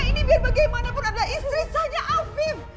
cynthia ini biar bagaimanapun adalah istri sahnya afif